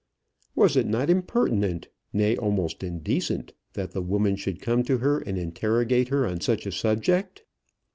Was it not impertinent, nay, almost indecent, that the woman should come to her and interrogate her on such a subject?